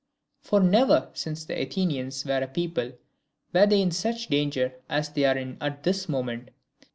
For never, since the Athenians were a people, were they in such danger as they are in at this moment.